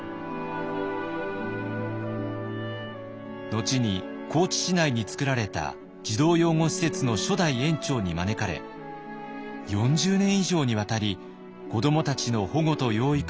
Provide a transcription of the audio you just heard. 後に高知市内に作られた児童養護施設の初代園長に招かれ４０年以上にわたり子どもたちの保護と養育に尽力しました。